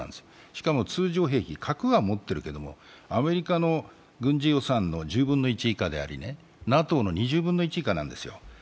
しかも通常兵器、核は持ってるけどアメリカの予算の１０分の１以下であり、ＮＡＴＯの２０分の１以下なんですよ。